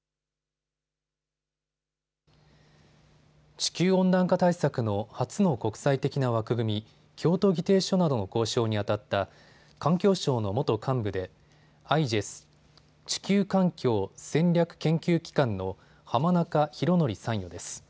地球温暖化対策の初の国際的な枠組み、京都議定書などの交渉にあたった環境省の元幹部でＩＧＥＳ・地球環境戦略研究機関の浜中裕徳参与です。